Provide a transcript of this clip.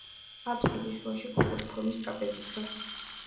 აბსიდის შუაში კუბური ფორმის ტრაპეზი დგას.